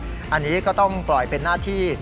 อันนี้ก็ต้องปล่อยเป็นหน้าที่